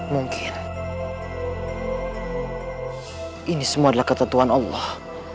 mungkin ini semua adalah ketentuan allah